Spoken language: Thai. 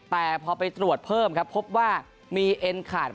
แต่พอไปตรวจเพิ่มครับพบว่ามีเอ็นขาด